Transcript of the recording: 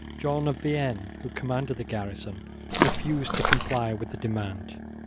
John of Vienne, who commanded the garrison, refused to comply with the demand.